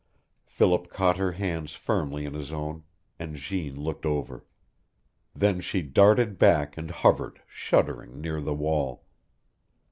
Philip caught her hands firmly in his own, and Jeanne looked over. Then she darted back and hovered, shuddering, near the wall.